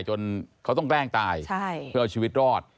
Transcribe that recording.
จนเขาต้องแกล้งตายเพื่อเอาชีวิตรอด